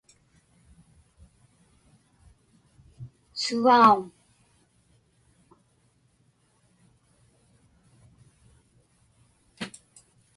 Suvauŋ?